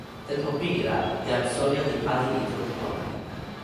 tenpo pini la, jan Sonja li pali e toki pona.